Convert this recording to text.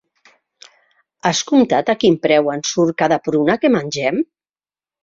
Has comptat a quin preu ens surt cada pruna que mengem?